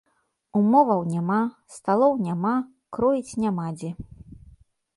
Умоваў няма, сталоў няма, кроіць няма дзе.